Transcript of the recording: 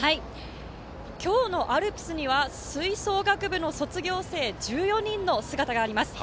今日のアルプスには吹奏楽部の卒業生１４人の姿があります。